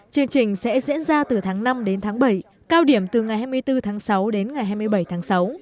chương trình sẽ diễn ra từ tháng năm đến tháng bảy cao điểm từ ngày hai mươi bốn tháng sáu đến ngày hai mươi bảy tháng sáu